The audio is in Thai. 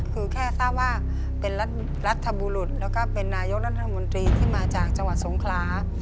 คือแค่ทราบว่าเป็นรัฐบุรุษแล้วก็เป็นนายกรัฐมนตรีที่มาจากจังหวัดสงครา